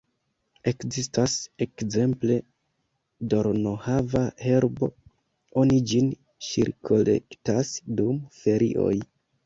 Ekzistas, ekzemple, dornohava-herbo, oni ĝin ŝirkolektas dum ferioj.